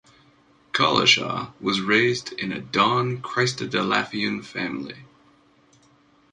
Collishaw was raised in a Dawn Christadelphian family.